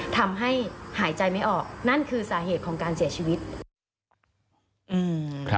ทำให้หายใจไม่ออกนั่นคือสาเหตุของการเสียชีวิต